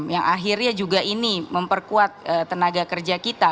yang akhirnya juga ini memperkuat tenaga kerja kita